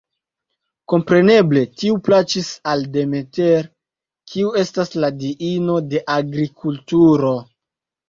Kompreneble tiu plaĉis al Demeter, kiu estas la diino de agrikulturo.